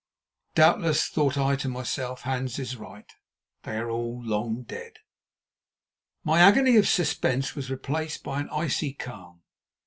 Doubtless, thought I to myself, Hans is right. They are all long dead. My agony of suspense was replaced by an icy calm.